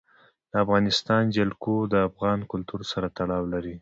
د افغانستان جلکو د افغان کلتور سره تړاو لري.